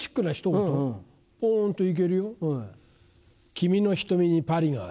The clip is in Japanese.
君の瞳にパリがある。